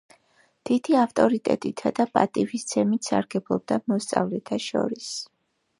დიდი ავტორიტეტითა და პატივისცემით სარგებლობდა მოსწავლეთა შორის.